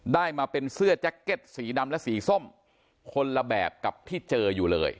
ได้มาเป็นเสื้อแจ็คเก็ตสีดำและสีส้มคนละแบบกับที่เจออยู่เลย